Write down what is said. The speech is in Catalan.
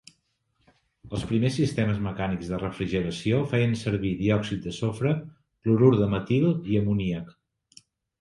Els primers sistemes mecànics de refrigeració feien servir diòxid de sofre, clorur de metil i amoníac.